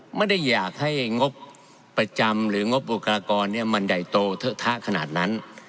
ไม่ได้อยากให้งบประจำหรืองบบุคลากรมันใหญ่โตเทอะทะขนาดนั้น